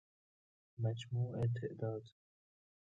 مجموع تعداد